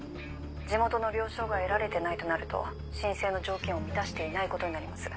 地元の了承が得られてないとなると申請の条件を満たしていないことになります。